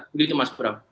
begitu mas bram